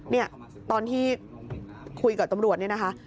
เนี่ยตอนที่คุยกับตำรวจเนี่ยนะคะ